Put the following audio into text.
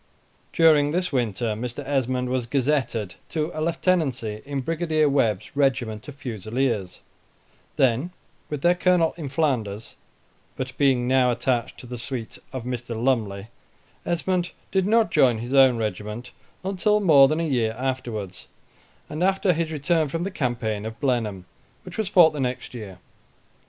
During this winter Mr. Esmond was gazetted to a lieutenancy in Brigadier Webb's regiment of Fusileers, then with their colonel in Flanders; but being now attached to the suite of Mr. Lumley, Esmond did not join his own regiment until more than a year afterwards, and after his return from the campaign of Blenheim, which was fought the next year.